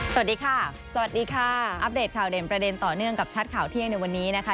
สวัสดีค่ะสวัสดีค่ะอัปเดตข่าวเด่นประเด็นต่อเนื่องกับชัดข่าวเที่ยงในวันนี้นะคะ